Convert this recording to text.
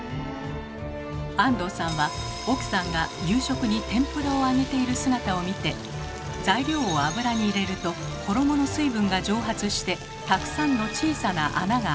安藤さんは奥さんが夕食に天ぷらを揚げている姿を見て材料を油に入れると衣の水分が蒸発してたくさんの小さな穴が開く。